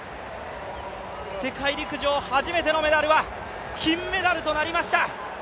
世界陸上初めてのメダルは金メダルとなりました。